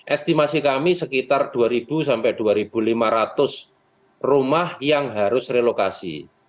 estimasi kami sekitar dua sampai dua lima ratus rumah yang harus relokasi